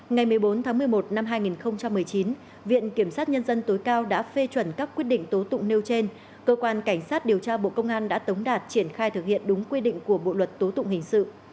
ngày một mươi bốn tháng một mươi một năm hai nghìn một mươi chín viện kiểm sát nhân dân tối cao đã phê chuẩn các quyết định tố tụng nêu trên cơ quan cảnh sát điều tra bộ công an đã tống đạt triển khai thực hiện đúng quy định của bộ luật tố tụng hình sự